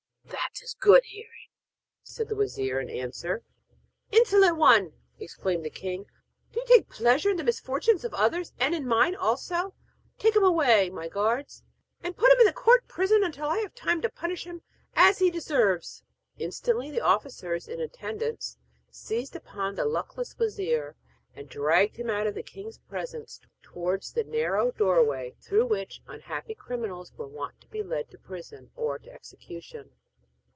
'That is good hearing!' said the wazir in answer. 'Insolent one,' exclaimed the king. 'Do you take pleasure in the misfortunes of others, and in mine also? Take him away, my guards, and put him in the court prison until I have time to punish him as he deserves!' Instantly the officers in attendance seized upon the luckless wazir, and dragged him out of the king's presence towards the narrow doorway, through which unhappy criminals were wont to be led to prison or execution.